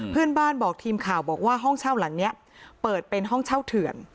เพื่อนบ้านบอกทีมข่าวบอกว่าห้องเช่าหลังนี้เปิดเป็นห้องเช่าเถื่อน